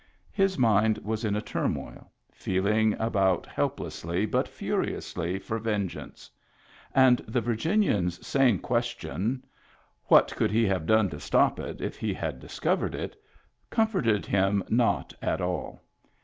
His mind was in a turmoil, feeling about helplessly but furiously for ven geance; and the Virginian's sane question — What could he have done to stop it if he had discovered it ?— comforted him not at all.